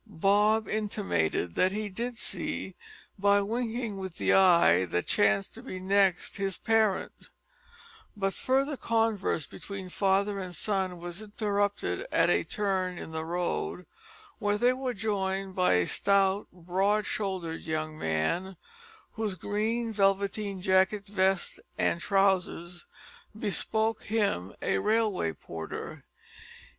Bob intimated that he did see, by winking with the eye that chanced to be next his parent; but further converse between father and son was interrupted at a turn in the road, where they were joined by a stout, broad shouldered young man, whose green velveteen jacket vest, and trousers bespoke him a railway porter.